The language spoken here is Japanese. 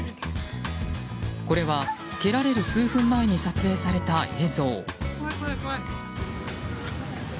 これは蹴られる数分前に撮影された映像。